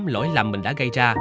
lỗi lầm mình đã gây ra